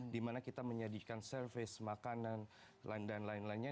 dimana kita menyediakan service makanan dan lain lainnya